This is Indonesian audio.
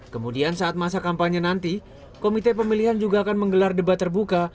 kemudian saat masa kampanye nanti komite pemilihan juga akan menggelar debat terbuka